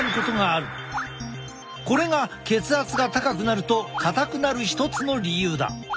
これが血圧が高くなると硬くなる一つの理由だ。